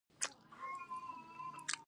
د پیتالوژي علم د ناروغیو رازونه خلاصوي.